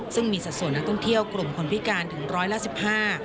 ซึ่งมีสัดส่วนนักท่องเที่ยวกลุ่มคนพิการถึงร้อยละสิบห้า